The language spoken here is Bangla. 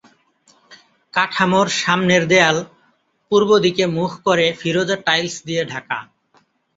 কাঠামোর সামনের দেয়াল পূর্ব দিকে মুখ করে ফিরোজা টাইলস দিয়ে ঢাকা।